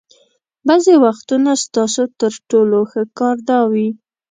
بعضې وختونه ستاسو تر ټولو ښه کار دا وي.